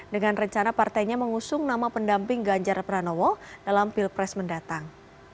dengan rencana partainya mengusung nama pendamping ganjar pranowo dalam pilpres mendatang